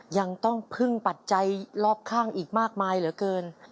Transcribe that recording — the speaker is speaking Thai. ยังต้องพึ่งปัจจัยรอบข้างอีกมากมายเหลือเกิน